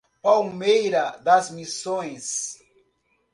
Palmeira das Missões